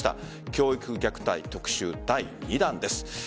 教育虐待特集第２弾です。